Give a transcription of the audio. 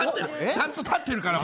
ちゃんと立ってるから！